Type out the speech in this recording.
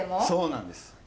そうなんです。